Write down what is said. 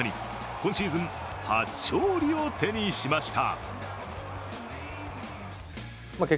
今シーズン初勝利を手にしました。